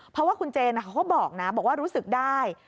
เพราะว่าคุณเจนเขาก็บอกนะบอกว่ารู้สึกได้